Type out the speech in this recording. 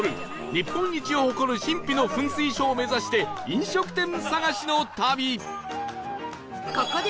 日本一を誇る神秘の噴水ショーを目指して飲食店探しの旅